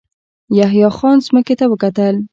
يحيی خان ځمکې ته وکتل.